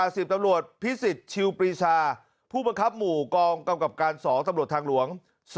สิบตำรวจพิสิทธิชิวปรีชาผู้บังคับหมู่กองกำกับการ๒ตำรวจทางหลวง